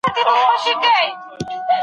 بې له کورنۍ پوهي د ژوند ستونزې نه حل کېږي.